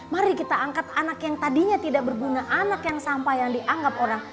mari kita angkat anak yang tadinya tidak berguna anak yang sampah yang dianggap orang